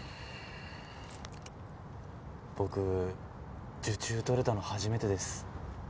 僕受注取れたの初めてです。